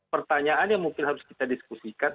pertanyaan yang mungkin harus kita diskusikan